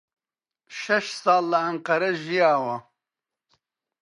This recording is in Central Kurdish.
شەش ساڵ لە ئەنقەرە ژیاوە.